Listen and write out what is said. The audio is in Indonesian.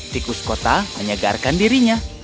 tikus kota menyegarkan dirinya